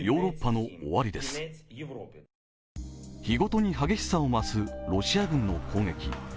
日ごとに激しさを増すロシア軍の攻撃。